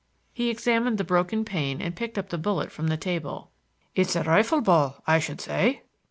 He examined the broken pane and picked up the bullet from the table. "It's a rifle ball, I should say."